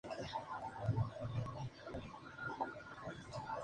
Este Cuartel se construyó en la Plaza de Sta.